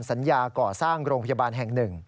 สัญญาก่อสร้างโรงพยาบาลแห่ง๑